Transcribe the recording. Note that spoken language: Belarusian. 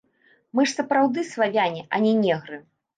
Мы ж сапраўды славяне, а не негры.